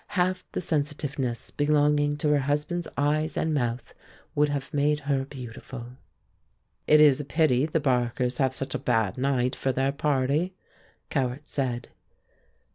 Half the sensitiveness belonging to her husband's eyes and mouth would have made her beautiful. "It is a pity the Barkers have such a bad night for their party," Cowart said.